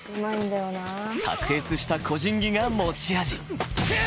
卓越した個人技が持ち味。